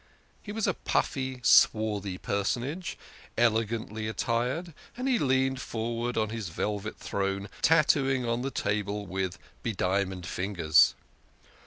He was a puffy, swarthy personage, elegant ly attired, and he leaned forward on his velvet throne, tattooing on the table with bedia monded fingers.